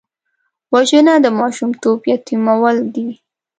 وژنه د ماشومتوب یتیمول دي